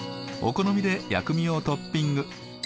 お好みで薬味をトッピング。